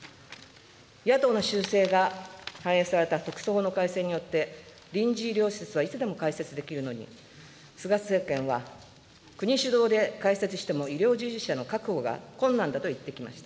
野党の修正が反映された特措法の改正によって、臨時医療施設はいつでも開設できるのに、菅政権は国主導で開設しても医療従事者の確保が困難だと言ってきました。